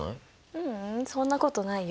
ううんそんなことないよ。